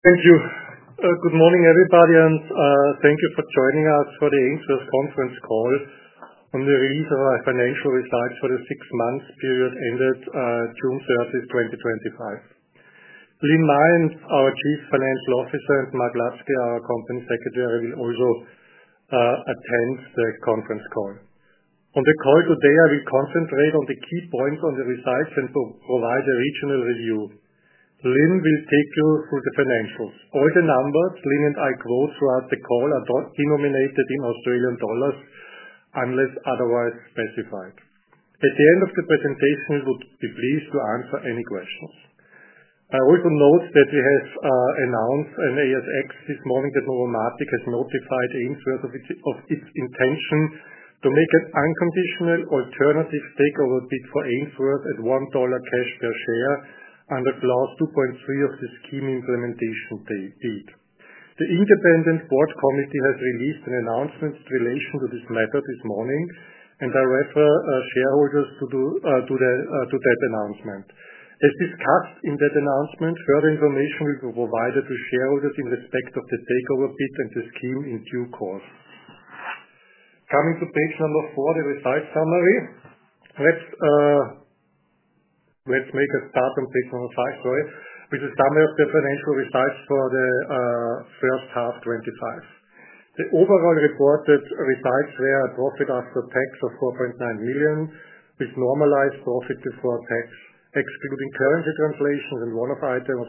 Thank you. Good morning, everybody, and thank you for joining us for the Ainsworth conference call on the recent financial results for the six months period ended June 30, 2025. Lynn Mah, our Chief Financial Officer, and Mark Ludski, our Company Secretary, will also attend the conference call. On the call today, I will concentrate on the key points on the results and provide a regional review. Lynn will take you through the financials. All the numbers Lynn and I go through at the call are denominated in Australian dollars unless otherwise specified. At the end of the presentation, we would be pleased to answer any questions. I also note that we have announced on ASX this morning that NOVOMATIC AG has notified Ainsworth Game Technology of its intention to make an unconditional alternative takeover bid for Ainsworth Game Technology at 1 dollar cash per share under Block 2.3 of the scheme implementation deed. The Independent Board Committee has released an announcement in relation to this matter this morning, and I refer shareholders to that announcement. As discussed in that announcement, further information will be provided to shareholders in respect of the takeover bid and the scheme in due course. Coming to page number four, the results summary. Let's make a start on page number five, sorry, with the summary of the financial results for the first half, 2025. The overall reported results were a profit after tax of 4.9 million. This normalized profit before tax, excluding currency translations and one-off item, of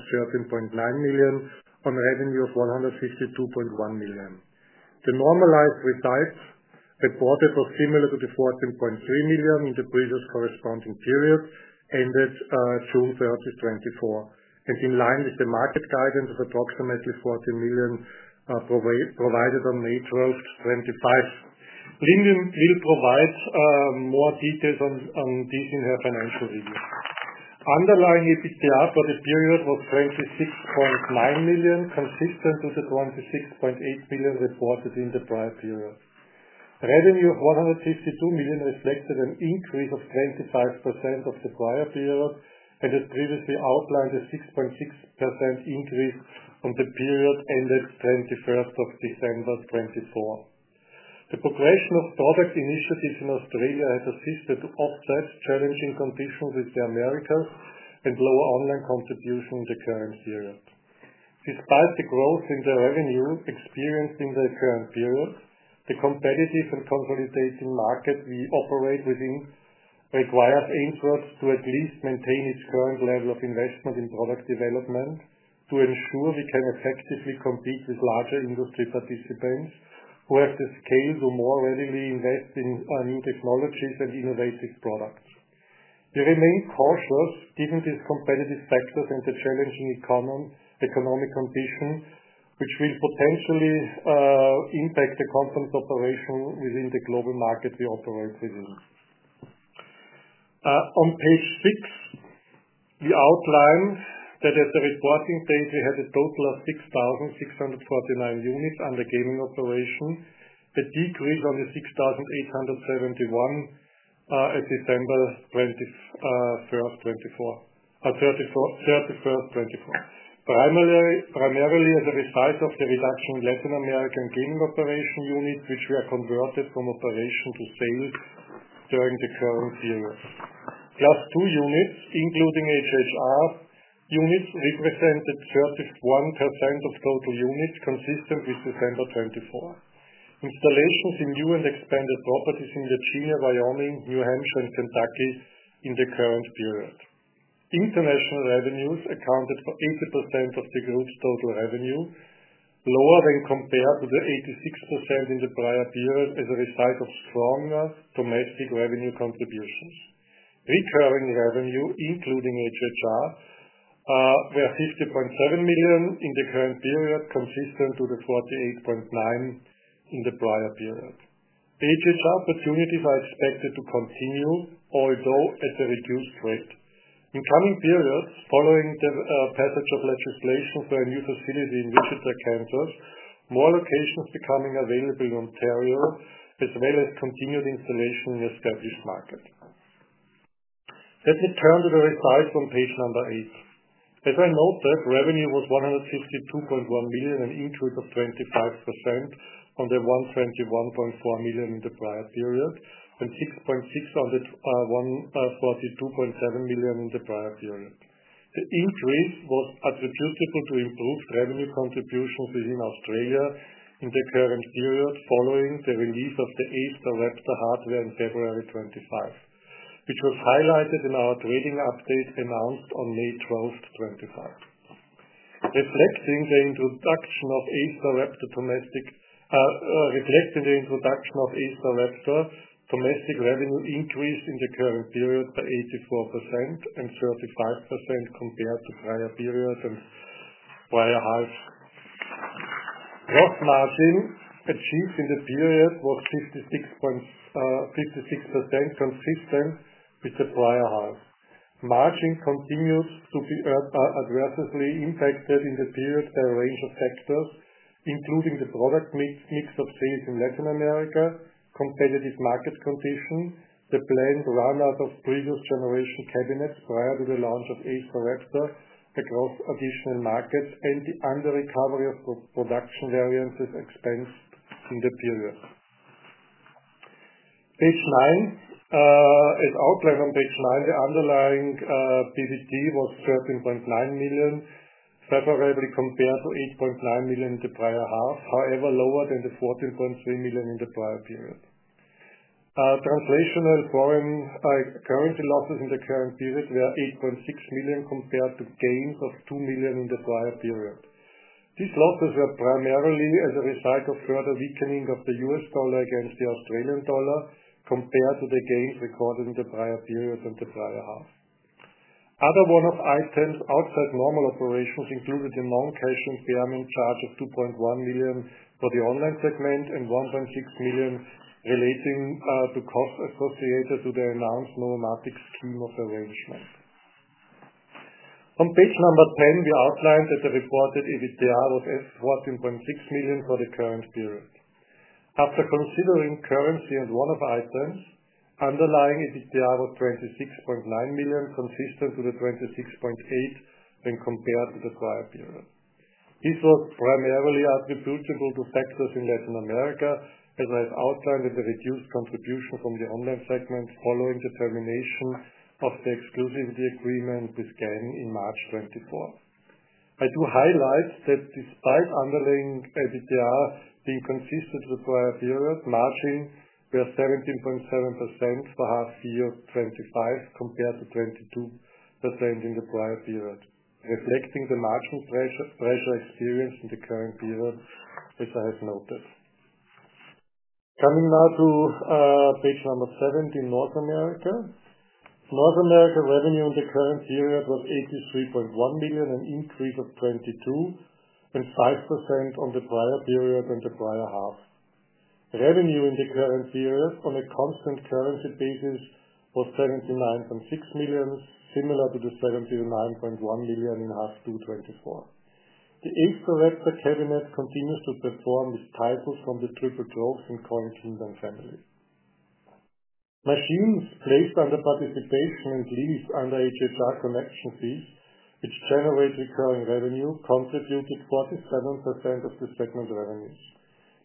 13.9 million on revenue of 152.1 million. The normalized results reported were similar to the 14.3 million in the previous corresponding period ended June 30, 2024, and in line with the market guidance of approximately 14 million provided on May 12, 2025. Lynn will provide more details on this in her financial review. Underlying EBITDA for the period was 26.9 million, consistent with the 26.8 million reported in the prior period. The revenue of 152 million reflected an increase of 25% on the prior period and had previously outlined a 6.6% increase on the period ended December 2024. The progression of profit initiatives in Australia has assisted to offset challenging conditions in the Americas and lower online contribution in the current period. Despite the growth in the revenue experienced in the current period, the competitive and consolidated market we operate within requires Ainsworth to at least maintain its current level of investment in product development to ensure we can effectively compete with larger industry participants who have the skill to more readily invest in new technologies and innovative products. We remain cautious given these competitive factors and the challenging economic conditions, which will potentially impact the company's operation within the global market we operate within. On page six, you outline that at the reporting phase, we had a total of 6,649 units under gaming operations. The decrease on the 6,871 at December 31st, 2024, was primarily as a result of the reduction in Latin America and Finland operation units, which were converted from operations to sales during the current period. Plus two units, including HHR units, represented 31% of total units, consistent with December 2024. Installations in new and expanded properties in Virginia, Wyoming, New Hampshire, and Kentucky occurred in the current period. International revenues accounted for 80% of the group's total revenue, lower when compared with the 86% in the prior period as a result of stronger domestic revenue contributions. Recurring revenue, including HHR, was 50.7 million in the current period, consistent with the 48.9 million in the prior period. HHR opportunities are expected to continue, although at a reduced rate in the coming period, following the passage of legislation for a new facility in Wichita, Kansas, more locations becoming available in Ontario, as well as continued installation in the Scottish market. Let me turn to the results from page number eight. As I noted, revenue was 152.1 million, an increase of 25% on the 121.4 million in the prior period and 6.6 million on the 142.7 million in the prior period. The increase was attributable to improved revenue contributions within Australia in the current period following the release of the A-STAR Raptor cabinet in February 2025, which was highlighted in our trading update announced on May 12, 2025. Reflecting the introduction of A-STAR the Raptor, domestic revenue increased in the current period by 84% and 35% compared to prior periods and prior half. Gross margin achieved in the period was 56%, consistent with the prior half. Margins continued to be adversely impacted in the period by a range of factors, including the product mix of sales in Latin America, competitive market conditions, the planned runout of previous generation cabinets prior to the launch of A-STAR Raptor across additional markets, and the under-recovery of production variances expensed in the period. As outlined on page nine, the underlying PBT was 13.9 million, favorably compared to 8.9 million in the prior half, however, lower than the 14.3 million in the prior period. Translational and foreign currency losses in the current period were 8.6 million compared to GANs of 2 million in the prior period. These losses were primarily as a result of further weakening of the U.S. dollar aGANst the Australian dollar compared to the GANs recorded in the prior period and the prior half. Other one-off items outside normal operations included a non-cash instalment charge of 2.1 million for the online segment and 1.6 million relating to costs associated with the announced NOVOMATIC scheme of arrangement. On page number 10, we outlined that the reported EBITDA was 14.6 million for the current period. After considering currency and one-off items, underlying EBITDA was 26.9 million, consistent with the 26.8 million when compared with the prior period. This was primarily attributable to factors in Latin America as I have outlined and the reduced contribution from the online segment following the termination of the exclusivity agreement with GAN in March 2024. I do highlight that despite underlying EBITDA being consistent with the prior period, margins were 17.7% for half the year 2025 compared to 22% in the prior period, reflecting the marketing pressure experienced in the current period, as I have noted. Coming now to page number seven in North America. North America revenue in the current period was 83.1 million, an increase of 22.5% on the prior period and the prior half. Revenue in the current period on a constant currency basis was 79.6 million, similar to the 79.1 million in half 2024. The A-STAR Raptor cabinet continues to perform with titles from the Triple Troves and Coin Kingdom family. Machines based on the participation and lease under HHR connectivity, which generate recurring revenue, contributed 47% of the segment revenue.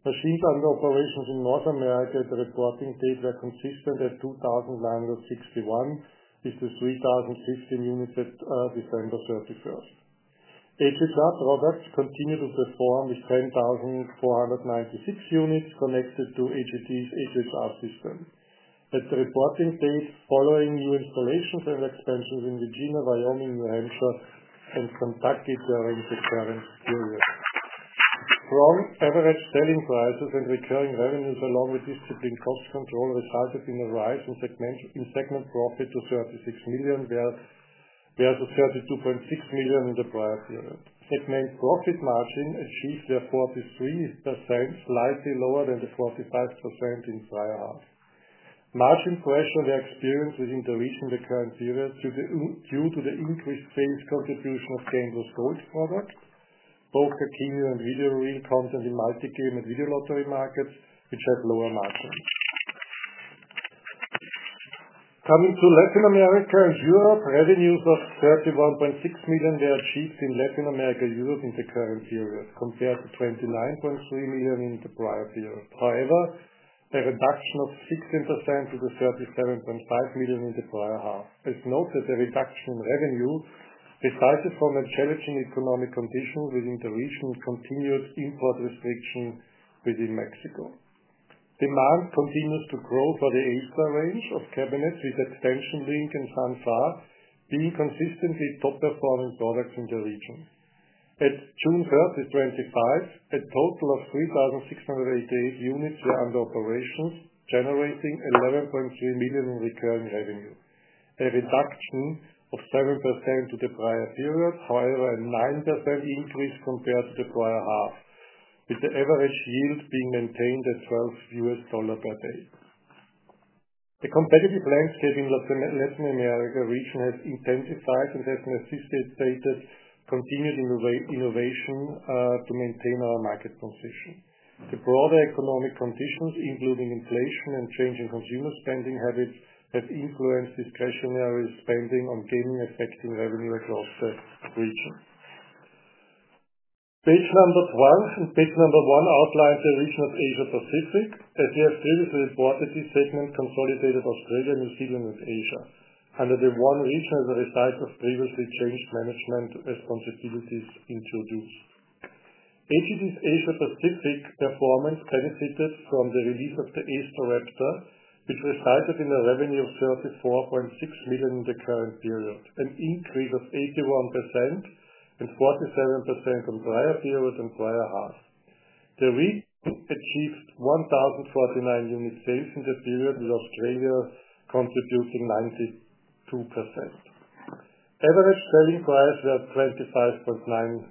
Machines under operations in North America at the reporting date were consistent at 2,961, which is 3,050 units per December 31st. HHR products continue to perform with 10,496 units connected to AGT HHR systems. At the reporting phase, following new installations and expenses in Virginia, Wyoming, New Hampshire, and Kentucky during the current period. From average selling prices and recurring revenues, along with disciplined cost control, resulted in a rise in segment profit to 36 million, whereas 32.6 million in the prior period. Segment profit margin achieved a 43%, slightly lower than the 45% in the prior half. Margin thresholds were experienced within the region in the current period due to the increased sales contribution of game with gold products, poker, keno, and video reel content in the multi-game and video lottery market with that lower margin. Coming to Latin America and Europe, revenues of 31.6 million were achieved in Latin America and Europe in the current period, compared to 29.3 million in the prior period. However, a reduction of 16% to the 37.5 million in the prior half. As noted, a reduction in revenue resulted from a tough economic condition within the region and continued import restriction within Mexico. Demand continues to grow for the A-STAR raptor range of cabinets, with Expansion Link and San Bao series being consistently top-performing products in the region. At June 30, 2025, a total of 3,688 units were under operation, generating 11.3 million in recurring revenue. A reduction of 7% to the prior period, however, a 9% increase compared to the prior half, with the average yield being maintained at $12 per day. The competitive landscape in the Latin America region has intensified and has assisted states to continue innovation to maintain our market position. The broader economic conditions, including inflation and changing consumer spending habits, have influenced discretionary spending on gaming, affecting revenue across the region. Page number 12. In page number one, outline the region of Asia Pacific, as we have previously reported this segment consolidated Australia, New Zealand, and Asia under the one region. As a result of previously changed management and conceptualities introduced, Asia Pacific performance benefited from the release of the A-STAR Raptor, which resulted in a revenue of 34.6 million in the current period, an increase of 81% and 47% on prior period and prior half. The region achieved 1,049 units based in the period, with Australia contributing 92%. Average selling price was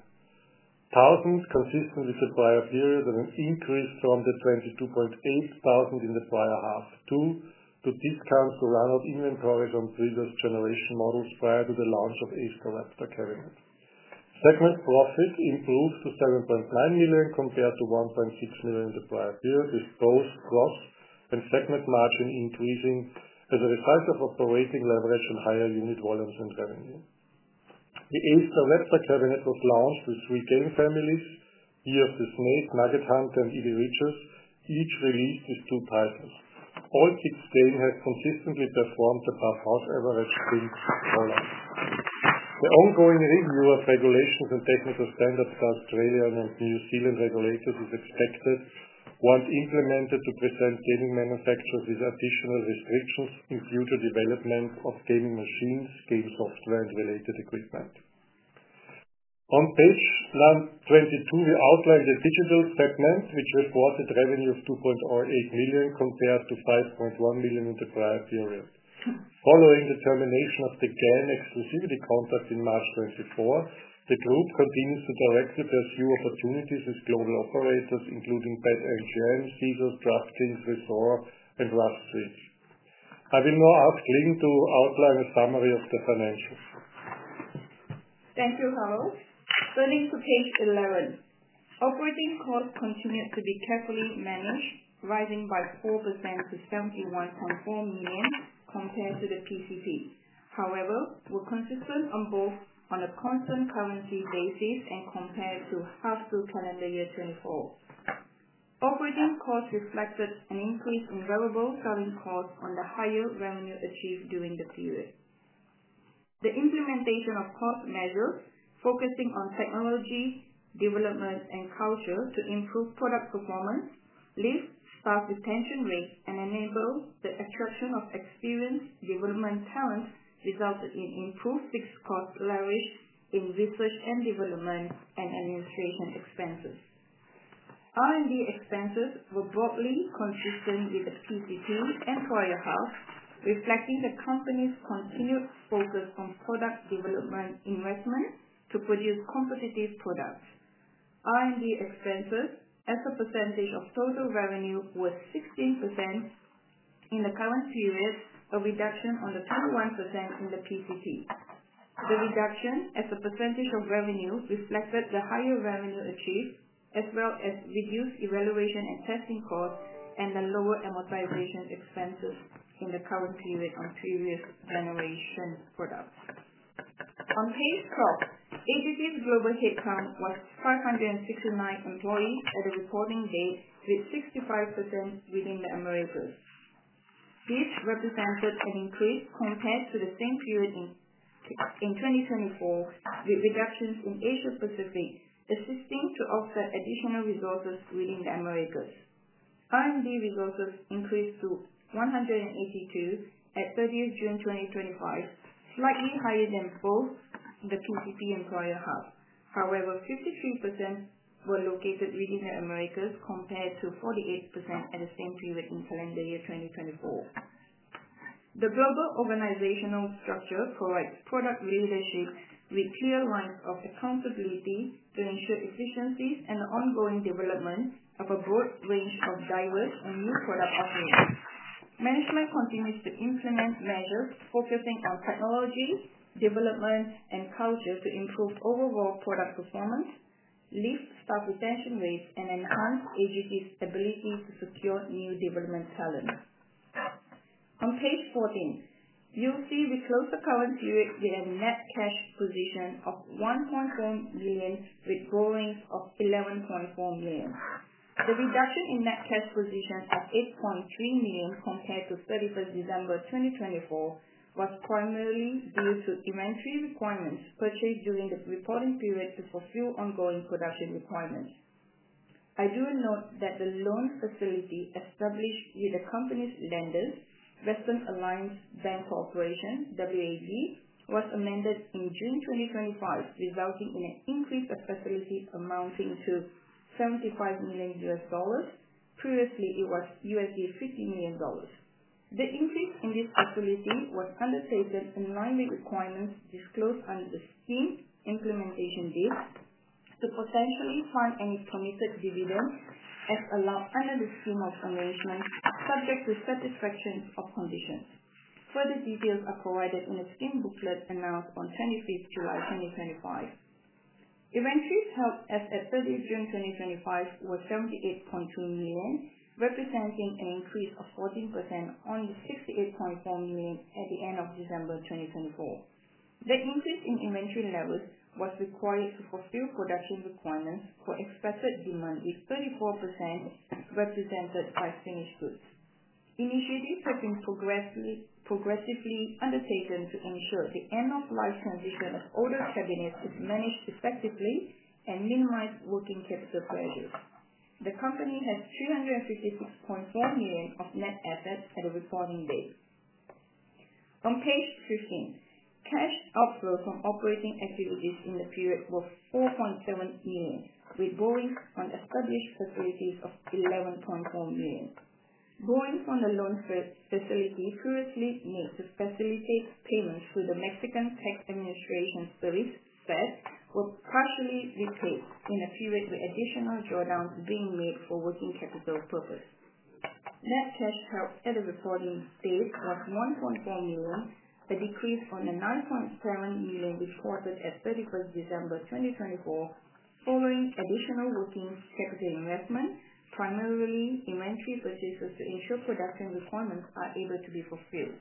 25,900, consistent with the prior period, and an increase from the 22,800 in the prior half, due to discounting the run-up inventories on previous generation models prior to the launch of A-STAR Raptor cabinet. Segment profit improved to 7.9 million compared to 1.6 million in the prior period, with gross growth and segment margin increasing as a result of operating leverage and higher unit volumes and revenue. The A-STAR Raptor cabinet was launched with three game families, Year of the Snake, Nugget Hunter, and Eagle Riches, each released with two titles. All these games have consistently performed above house average since the rollout. For ongoing review of regulations and technical standards for Australia and New Zealand regulations, as expected, once implemented to prevent gaming manufacturers with additional restrictions, include the development of gaming machines, game software, and related equipment. On page number 22, we outline the digital segments, which reported revenue of 2.08 million compared to 5.1 million in the prior period. Following the termination of the GAN exclusivity contract in March 2024, the group continues to directly pursue opportunities with global operators, including BetMGM, Caesars, DraftKings, Resorts and Rush Street. I will now ask Lynn to outline a summary of the financials. Thank you, Harald. Turning to page 11, operating costs continue to be carefully managed, rising by 4% to 71.4 million compared to the PCP. However, we're consistent on both a constant currency basis and compared to half the calendar year 2024. Operating costs reflected an increase in variable selling costs on the higher revenue achieved during the period. The implementation of cost measures, focusing on technology, development, and culture to improve product performance, lift staff retention rates, and enable the attraction of experienced development talent resulted in improved fixed cost salary in research and development and administration expenses. R&D expenses were broadly consistent with the PCP and prior half, reflecting the company's continued focus on product development investment to produce competitive products. R&D expenses, as a percentage of total revenue, was 16% in the current period, a reduction on the 21% in the PCC. The reduction as a percentage of revenues reflected the higher revenue achieved, as well as reduced evaluation and testing costs and the lower amortization expenses in the current period on previous generation products. On page 12, AGT's Headcount was 569 employees on the reporting date, with 65% within the Americas. This represents a turning point compared to the same period in 2024, with reductions in Asia Pacific assisting to offset additional resources within the Americas. R&D resources increased to 182 at 30th June 2025, slightly higher than both in the PCP and prior half. However, 53% were located within the Americas compared to 48% at the same period in calendar year 2024. The global organizational structure provides product leadership with clear lines of accountability to ensure efficiencies and the ongoing development of a broad range of diverse and new product offerings. Management continues to implement measures focusing on technology, development, and culture to improve overall product performance, lift staff retention rates, and enhance AGT's ability to secure new development talent. On page 14, you'll see we close the current period with a net cash position of 1.1 million with growing of 11.4 million. The reduction in net cash positions of 8.3 million compared to 31st December 2024 was primarily due to inventory requirements purchased during the reporting period to fulfill ongoing production requirements. I do note that the loan facility established with the company's lenders, Western Alliance Bank Corporation, was amended in June 2025, resulting in an increase of facility amounting to $75 million. Previously, it was $50 million. The increase in this facility was undertaken in line with requirements disclosed under the scheme's implementation deeds to potentially fund any committed dividend as allowed under the suitable arrangement subject to satisfaction of conditions. Further details are provided in a scheme booklet announced on 25th July 2025. Inventories held as of 30th June 2025 were 78.2 million, representing an increase of 14% on the 68.4 million at the end of December 2024. The increase in inventory levels was required to fulfill production requirements for expected demand, with 34% represented by finished goods. Initiatives have been progressively undertaken to ensure the end-of-life condition of all the cabinets is managed effectively and minimize working capital pressures. The company has 356.4 million of net assets for the reporting date. On page 15, cash outflow from operating activities in the period was 4.7 million, with borrowing on established operations of 11.4 million. Borrowing from the loan facility previously made to facilitate payments through the Mexican T Administration Service Sales was partially detailed in the period with additional drawdowns being made for working capital purposes. Net cash held at the reporting phase was 1.10 million, a decrease on the 9.7 million reported at 31st December 2024 following additional working capital investment, primarily inventory positions to ensure production requirements are able to be fulfilled.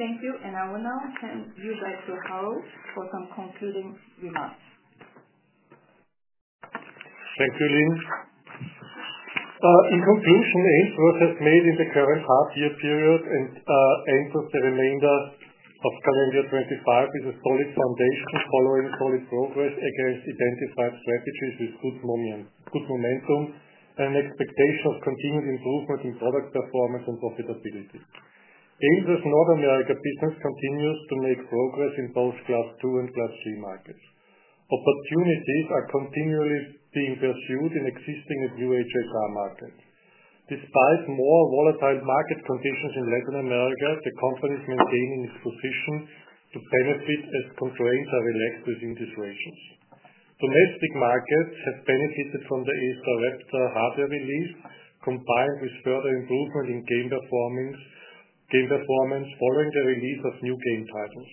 Thank you, and I will now hand you back to Harald for some concluding remarks. Thank you, Lynn. In conclusion, Ainsworth made in the current half-year period and entered the remainder of calendar 2025 with a solid foundation following college progress against identified strategies with good momentum and expectation of continued improvement in product performance and profitability. Ainsworth's North America business continues to make progress in both class two and class three markets. Opportunities are continually being pursued in existing and new HHR markets. Despite more volatile market conditions in Latin America, the conference maintains its position to benefit as concurrents are elected in these regions. Domestic markets have benefited from the A-STAR Raptor hardware release, combined with further improvement in game performance following the release of new game titles.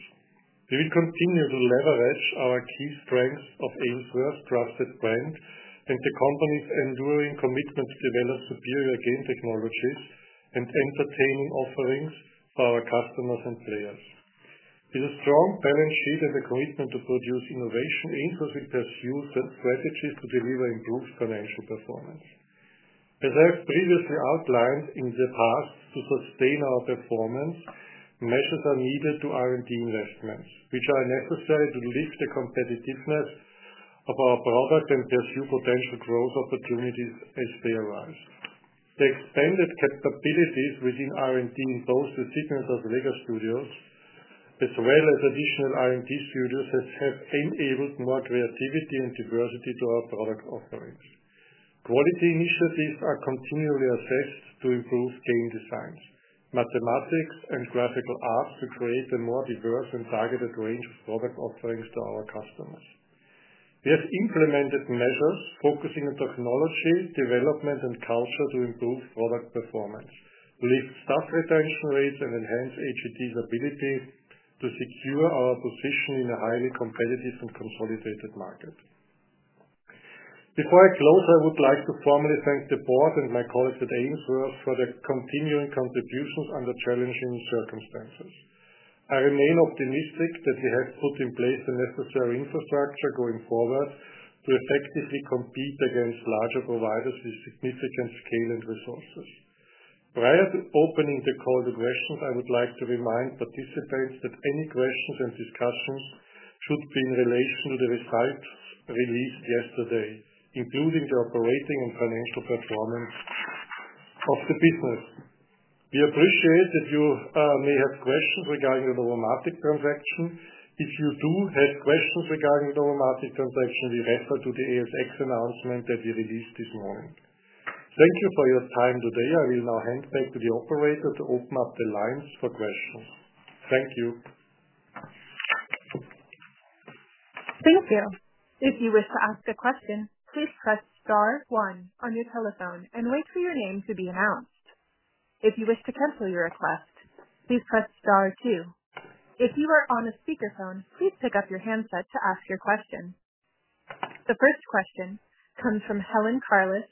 We will continue to leverage our key strengths of Ainsworth's trusted brand and the company's enduring commitment to develop superior game technology and entertaining offerings for our customers and players. With a strong balance sheet and the commitment to produce innovation, Ainsworth will pursue strategies to deliver improved financial performance. As I have previously outlined in the past, to sustain our performance, measures are needed to R&D investments, which are necessary to lift the competitiveness of our product and pursue potential growth opportunities as they arise. The expanded capabilities within R&D, both the signature of Vega Studios as well as additional R&D studios, have enabled more creativity and diversity to our product offerings. Quality initiatives are continually assessed to improve game design, mathematics, and graphical arts to create a more diverse and targeted range of product offerings to our customers. We have implemented measures focusing on technology, development, and culture to improve product performance, lift staff retention rates, and enhance AGT's ability to secure our position in a highly competitive and consolidated market. Before I close, I would like to formally thank the board and my colleagues at Ainsworth for their continuing contributions under challenging circumstances. I remain optimistic that we have put in place the necessary infrastructure going forward to effectively compete against larger providers with significant scale and resources. Prior to opening the call to questions, I would like to remind participants that any questions and discussions should be in relation to the results released yesterday, including the operating and financial performance of the business. We appreciate that you may have questions regarding the Novomatic transaction. If you do have questions regarding the Novomatic transaction, we refer to the ASX announcement that we released this morning. Thank you for your time today. I will now hand back to the operator to open up the lines for questions. Thank you. Thank you. If you wish to ask a question, please press star one on your telephone and wait for your name to be announced. If you wish to cancel your request, please press star two. If you are on a speaker phone, please pick up your handset to ask your question. The first question comes from Helen Karlis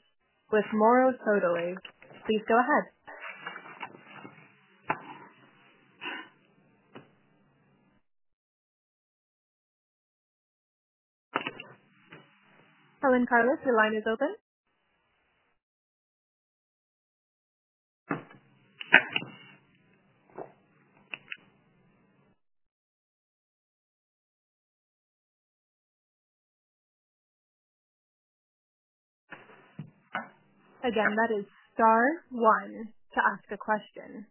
with Morrow Sodali. Please go ahead. Helen Karlis, your line is open. Again, that is star one to ask a question.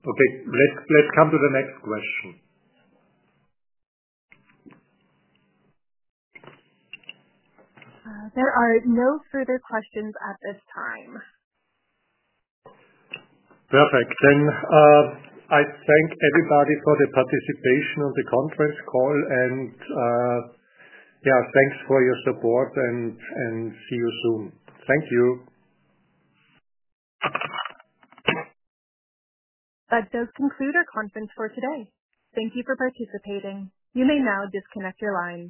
Okay. Let's come to the next question. There are no further questions at this time. Perfect. I thank everybody for the participation on the conference call, and thanks for your support and see you soon. Thank you. That does conclude our conference for today. Thank you for participating. You may now disconnect your line.